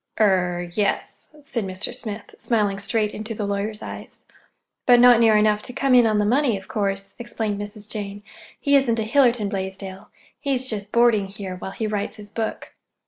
"Er—yes," said Mr. Smith, smiling straight into the lawyer's eyes. "But not near enough to come in on the money, of course," explained Mrs. Jane. "He isn't a Hiller Blaisdell. He's just boarding here, while he writes his book."